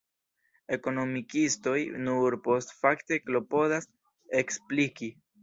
Ekonomikistoj nur postfakte klopodas ekspliki.